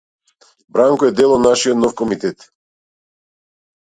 Бранко е дел од нашиот нов комитет.